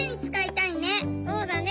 そうだね。